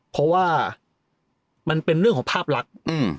เพราะว่ามันเป็นเรื่องของภาพลักษณ์